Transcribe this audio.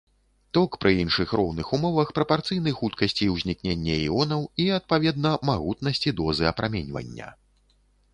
Ток пры іншых роўных умовах прапарцыйны хуткасці ўзнікнення іонаў і, адпаведна, магутнасці дозы апраменьвання.